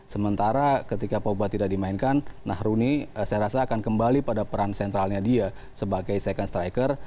sementara ketika pogba tidak dimainkan nah rooney saya rasa akan kembali pada peran sentralnya dia sebagai second striker